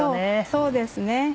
そうですね